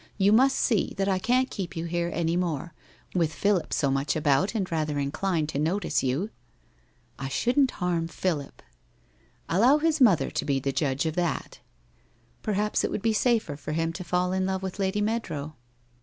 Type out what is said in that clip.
You must see that I can't keep you here any more, with Philip so much about and rather inclined to notice you?' ' I shouldn't harm Philip.' ' Allow his mother to be the judge of that.' ' Perhaps it would be safer for him to fall in love with' Lady Meadrow